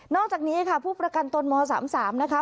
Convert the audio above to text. นอกจากนี้ค่ะผู้ประกันตนมสามสามนะคะ